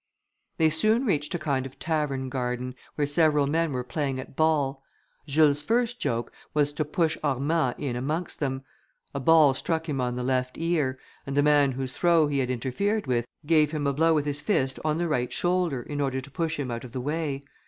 They soon reached a kind of tavern garden, where several men were playing at ball. Jules' first joke was to push Armand in amongst them; a ball struck him on the left ear, and the man whose throw he had interfered with, gave him a blow with his fist on the right shoulder, in order to push him out of the way.